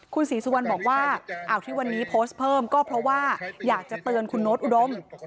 คุณศรีสุวรรณบอกว่าที่วันนี้โพสต์เพิ่มก็เพราะว่าอยากจะเตือนคุณโน๊ตอุดม